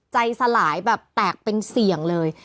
ใจสลายแบบแตกเป็นเสี่ยงเลย